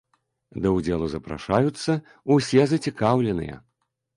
Да ўдзелу запрашаюцца ўсе зацікаўленыя.